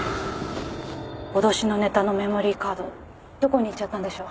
脅しのネタのメモリーカードどこにいっちゃったんでしょう？